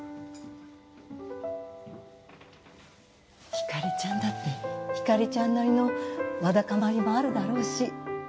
ひかりちゃんだってひかりちゃんなりのわだかまりもあるだろうし。